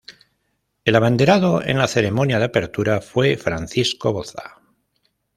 El abanderado en la ceremonia de apertura fue Francisco Boza.